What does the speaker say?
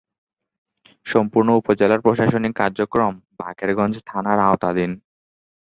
সম্পূর্ণ উপজেলার প্রশাসনিক কার্যক্রম বাকেরগঞ্জ থানার আওতাধীন।